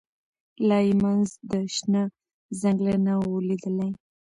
لا یې منځ د شنه ځنګله نه وو لیدلی